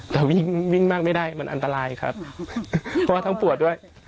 แต่วิ่งวิ่งมากไม่ได้มันอันตรายครับเพราะว่าทั้งปวดด้วย